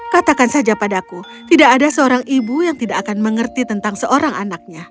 katakan saja padaku tidak ada seorang ibu yang tidak akan mengerti tentang seorang anaknya